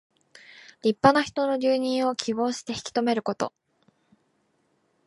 立派な人の留任を希望して引き留めること。